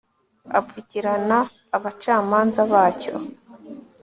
apfukirana abacamanza bacyo